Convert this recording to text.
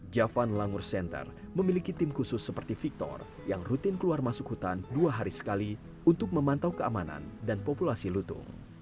javan langur center memiliki tim khusus seperti victor yang rutin keluar masuk hutan dua hari sekali untuk memantau keamanan dan populasi lutung